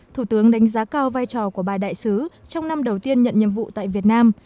thủ tướng đánh giá cao vai trò của bài đại sứ trong năm đầu tiên nhận nhiệm vụ tại việt nam